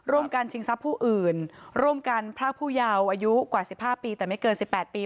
การชิงทรัพย์ผู้อื่นร่วมกันพรากผู้เยาว์อายุกว่า๑๕ปีแต่ไม่เกิน๑๘ปี